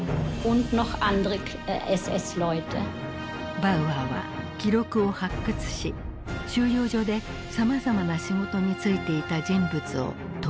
バウアーは記録を発掘し収容所でさまざまな仕事に就いていた人物を特定していく。